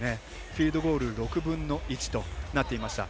フィールドゴール６分の１となっていました。